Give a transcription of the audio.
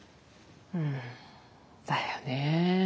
うんだよねえ。